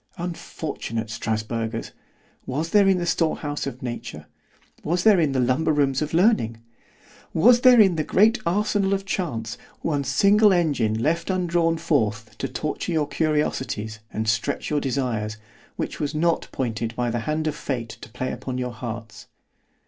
—— Unfortunate Strasbergers! was there in the store house of nature——was there in the lumber rooms of learning——was there in the great arsenal of chance, one single engine left undrawn forth to torture your curiosities, and stretch your desires, which was not pointed by the hand of Fate to play upon your hearts?